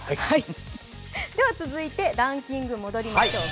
ではランキング戻りましょう。